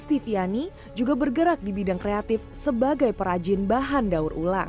istri ariel shastiviani juga bergerak di bidang kreatif sebagai perajin bahan daur ulang